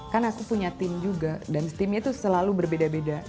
kan aku punya tim juga dan timnya itu selalu berbeda beda